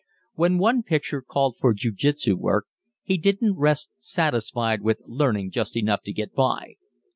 When one picture called for jiu jitsu work, he didn't rest satisfied with learning just enough to "get by."